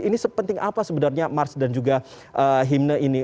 ini sepenting apa sebenarnya mars dan juga himne ini